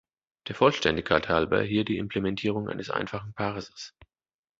Der Vollständigkeit halber hier die Implementierung eines einfachen Parsers.